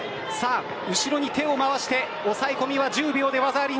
後ろに手を回して抑え込みは１０秒で技あり。